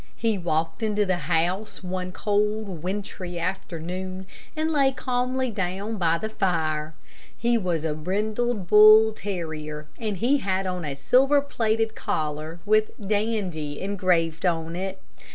He walked into the house one cold, wintry afternoon and lay calmly down by the fire. He was a brindled bull terrier, and he had on a silver plated collar with "Dandy" engraved on it.